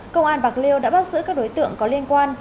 công an bạc liêu đã bắt giữ các đối tượng có liên quan